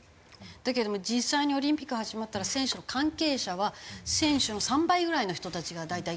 だけれども実際にオリンピック始まったら選手の関係者は選手の３倍ぐらいの人たちが大体来るわけでしょ？